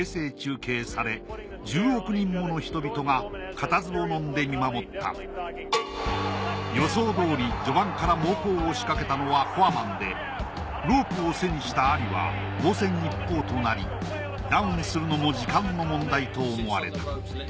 この世紀の一戦は予想どおり序盤から猛攻を仕掛けたのはフォアマンでロープを背にしたアリは防戦一方となりダウンするのも時間の問題と思われた。